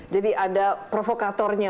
jadi ada provokatornya